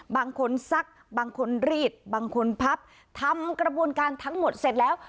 บางคนซักบางคนรีดบางคนพับทำกระบวนการทั้งหมดเสร็จแล้ว